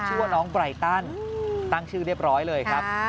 ชื่อว่าน้องไบรตันตั้งชื่อเรียบร้อยเลยครับ